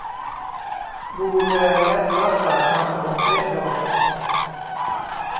ดูแลและรักษาความสงบเรียบร้อย